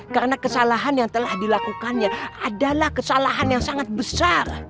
karena kesalahan yang telah dilakukannya adalah kesalahan yang sangat besar